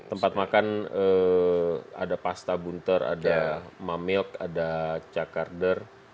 tempat makan ada pasta bunter ada mamilk ada cakarder